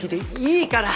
いいから！